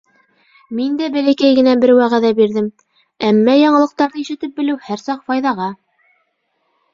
Мин дә бәләкәй генә бер вәғәҙә бирҙем, әммә яңылыҡтарҙы ишетеп белеү һәр саҡ файҙаға.